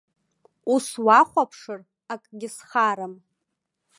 Ус уахәаԥшыр, акгьы схарам.